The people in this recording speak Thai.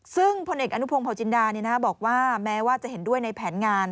ซึ่งพลเอกอนุพงศ์จินดาบอกว่าแม้ว่าจะเห็นด้วยในแผนงาน